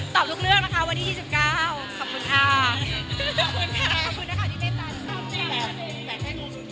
ตอบลูกเรื่องนะคะวันที่๒๙